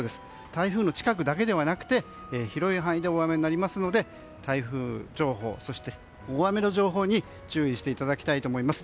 台風の近くだけではなくて広い範囲で大雨になりますので台風情報、そして大雨の情報に注意していただきたいと思います。